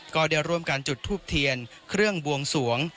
ก็ได้ร่วมกันจุดทูบเทียนเครื่องบวงสวง